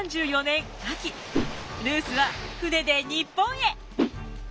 ルースは船で日本へ。